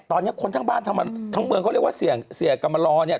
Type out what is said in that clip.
ตอนนี้คนทั้งบ้านทั้งเมืองเขาเรียกว่าเสี่ยงเสียกรรมลอเนี่ย